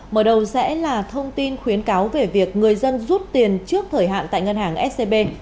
mở đầu sẽ là thông tin khuyến cáo về việc người dân rút tiền trước thời hạn tại ngân hàng scb